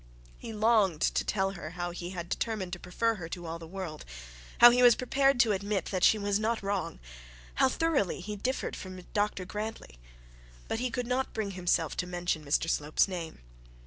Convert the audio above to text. He longed to tell her how he had determined to prefer her to all the world, how he was prepared to admit that she was not wrong, how thoroughly he differed from Dr Grantly; but he could not bring himself to mention Mr Slope's name.